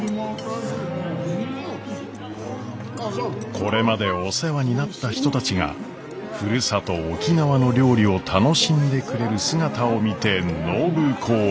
これまでお世話になった人たちがふるさと沖縄の料理を楽しんでくれる姿を見て暢子は。